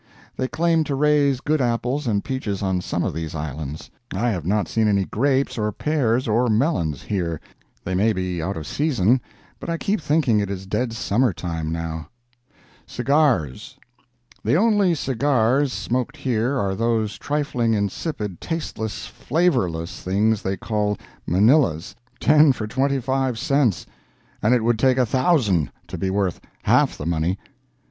They claim to raise good apples and peaches on some of these islands. I have not seen any grapes, or pears or melons here. They may be out of season, but I keep thinking it is dead Summer time now. CIGARS The only cigars smoked here are those trifling, insipid, tasteless, flavorless things they call "Manilas"—ten for twenty five cents; and it would take a thousand to be worth half the money.